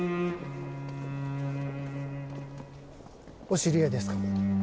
お知り合いですか？